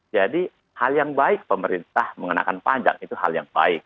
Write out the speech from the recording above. jadi hal yang baik pemerintah mengenakan pajak itu hal yang baik